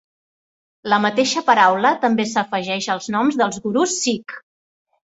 La mateixa paraula també s'afegeix als noms dels gurus Sikh.